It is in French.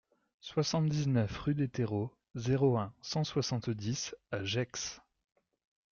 soixante-dix-neuf rue des Terreaux, zéro un, cent soixante-dix à Gex